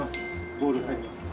ボールが入ります。